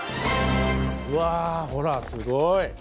わあほらすごい。